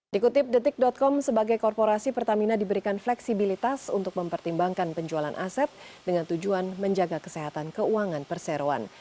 dikutip detik com sebagai korporasi pertamina diberikan fleksibilitas untuk mempertimbangkan penjualan aset dengan tujuan menjaga kesehatan keuangan perseroan